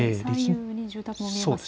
住宅も見えますね。